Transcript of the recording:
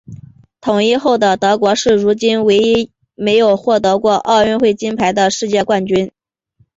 统一后的德国是如今唯一没有获得过奥运会金牌的世界杯冠军。